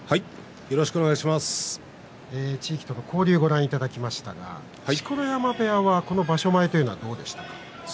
地域との交流をご覧いただきましたが錣山部屋はこの場所前というのはどうでしたか。